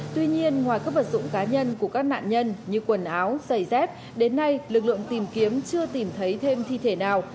tuy nhiên ngoài các vật dụng cá nhân của các nạn nhân như quần áo giày dép đến nay lực lượng tìm kiếm chưa tìm thấy thêm thi thể nào